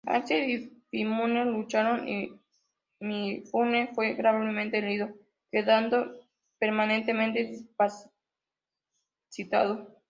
Axel y Mifune lucharon y Mifune fue gravemente herido, quedando permanentemente discapacitado.